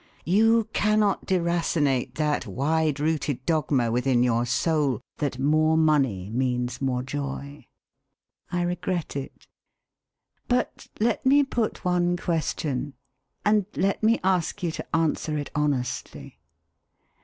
You cannot deracinate that wide rooted dogma within your soul that more money means more joy. I regret it. But let me put one question, and let me ask you to answer it honestly.